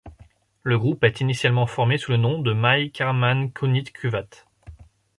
Le groupe est initialement formé sous le nom de Maij Karman kauniit kuvat.